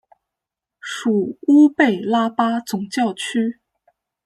属乌贝拉巴总教区。